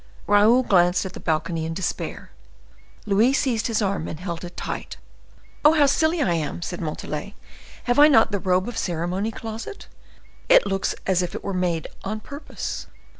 Raoul glanced at the balcony in despair. Louise seized his arm and held it tight. "Oh, how silly I am!" said Montalais; "have I not the robe of ceremony closet? It looks as if it were made on purpose."